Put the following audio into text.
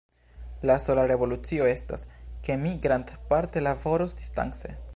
La sola revolucio estas, ke mi grandparte laboros distance.